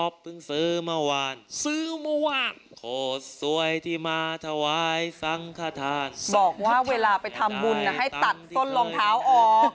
บอกว่าเวลาไปทำบุญให้ตัดต้นรองเท้าออก